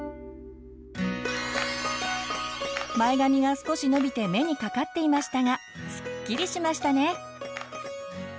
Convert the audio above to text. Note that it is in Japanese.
前髪が少し伸びて目にかかっていましたがスッキリしましたね。